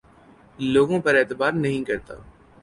لوگوں پر اعتبار نہیں کرتا